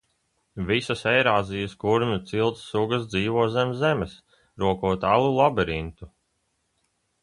Visas Eirāzijas kurmju cilts sugas dzīvo zem zemes, rokot alu labirintu.